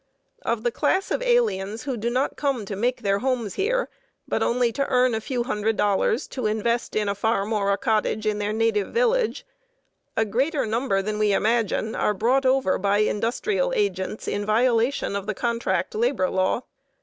Of the class of aliens who do not come to make their homes here, but only to earn a few hundred dollars to invest in a farm or a cottage in their native village, a greater number than we imagine are brought over by industrial agents in violation of the contract labor law.